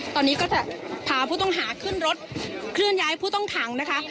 ตอนนี้ก็จะพาผู้ต้องหาขึ้นรถเคลื่อนย้ายผู้ต้องขังนะคะ